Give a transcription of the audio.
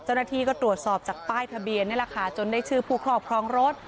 เจ้าหน้าที่ก็ตรวจสอบจากป้ายทะเบียนนี่แหละค่ะจนได้ชื่อผู้ครอบครองรถ